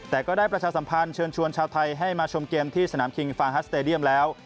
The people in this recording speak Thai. แต่ก็ได้ประชาสัมพันธ์เชิญชวนชาวไทยให้มาชมเกมที่สนามคิงฟางฮัสสเตดียมแล้ว